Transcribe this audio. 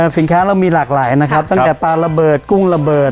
สินค้าเรามีหลากหลายนะครับตั้งแต่ปลาระเบิดกุ้งระเบิด